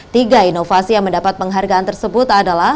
tiga inovasi yang mendapat penghargaan tersebut adalah